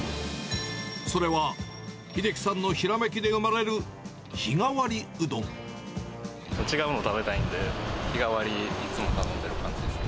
それは英樹さんのひらめきで違うもの食べたいんで、日替わり、いつも頼んでる感じですね。